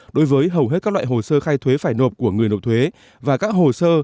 đối với hầu hết các loại hồ sơ khai thuế phải nộp của người nộp thuế và các hồ sơ